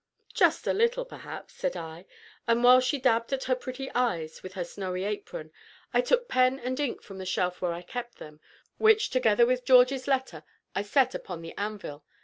"Just a little, perhaps," said I, and, while she dabbed at her pretty eyes with her snowy apron, I took pen and ink from the shelf where I kept them, which, together with George's letter, I set upon the anvil.